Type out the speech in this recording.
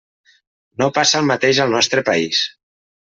No passa el mateix al nostre país.